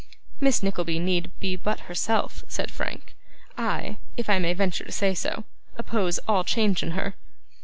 'Miss Nickleby need be but herself,' said Frank. 'I if I may venture to say so oppose all change in her.